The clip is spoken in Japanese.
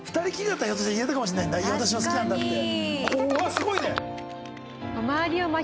すごいね。